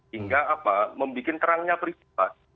hingga apa membuat terangnya peristiwa